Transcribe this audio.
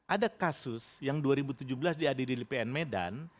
ada kasus yang dua ribu tujuh belas diadili di pn medan